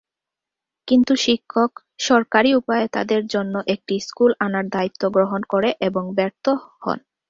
কিন্তু শিক্ষক সরকারী উপায়ে তাদের জন্য একটি স্কুল আনার দায়িত্ব গ্রহণ করে এবং ব্যর্থ হন।